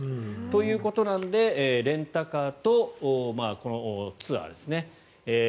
ということなので、レンタカーとこのツアーですね。